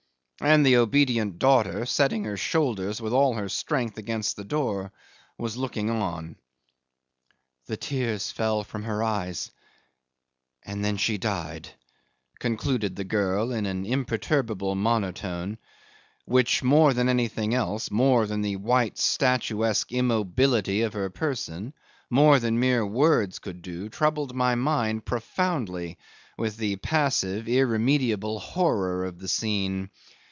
and the obedient daughter, setting her shoulders with all her strength against the door, was looking on. "The tears fell from her eyes and then she died," concluded the girl in an imperturbable monotone, which more than anything else, more than the white statuesque immobility of her person, more than mere words could do, troubled my mind profoundly with the passive, irremediable horror of the scene.